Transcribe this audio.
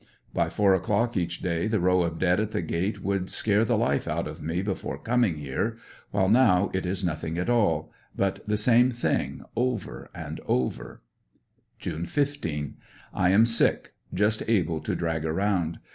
By four o'clock each day the row of dead at the gate would scare the life out of me before coming here, while now it is nothing at all, but the same thing over and over June 15. — I am sick; just able to drag around.